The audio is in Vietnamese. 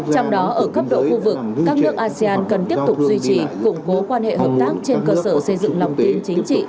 trong đó ở cấp độ khu vực các nước asean cần tiếp tục duy trì củng cố quan hệ hợp tác trên cơ sở xây dựng lòng tin chính trị